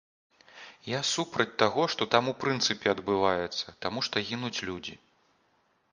Я супраць таго, што там у прынцыпе адбываецца, таму што гінуць людзі.